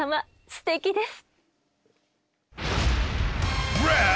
すてきです。